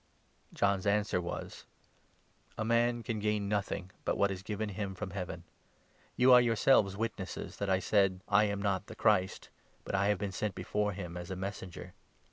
John's answer was — 27 "A man can gain nothing but what is given him from Heaven. You are yourselves witnesses that I said ' I am 28 not the Christ,' but 'I have been sent before him as a Messenger.'